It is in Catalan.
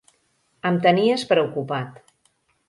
Em tenies preocupat.